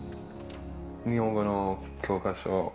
日本語の教科書。